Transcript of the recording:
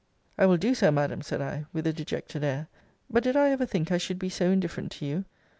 I will do so, Madam, said I, with a dejected air. But did I ever think I should be so indifferent to you?